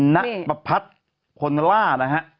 นักปรับพัฒน์คนล่านะฮะ